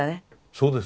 そうですね。